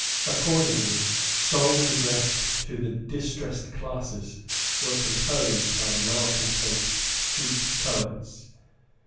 Accordingly songs addressed to the distressed classes were composed by the malecontent street poets.